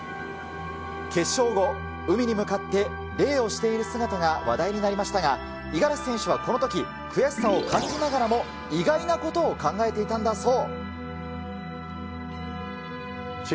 決勝後、海に向かって礼をしている姿が話題になりましたが、五十嵐選手はこのとき、悔しさを感じながらも、意外なことを考えていたんだそう。